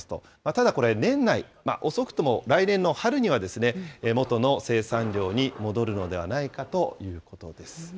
ただこれ、年内、遅くとも来年の春にはですね、元の生産量に戻るのではないかということです。